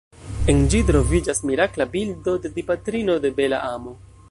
En ĝi troviĝas mirakla bildo de Dipatrino de Bela Amo.